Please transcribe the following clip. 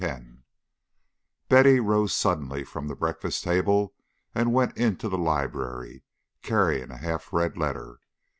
X Betty rose suddenly from the breakfast table and went into the library, carrying a half read letter.